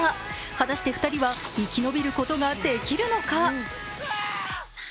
果たして２人は生き延びることができるのか？